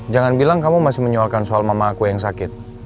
jangan bilang kamu masih menyoalkan soal mama aku yang sakit